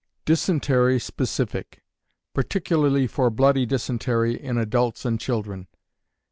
Dysentery Specific, (particularly for bloody dysentery in Adults and Children.)